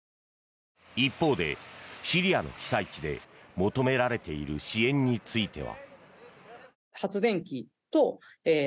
一方でシリアの被災地で求められている支援については。